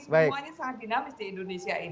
semuanya sangat dinamis di indonesia ini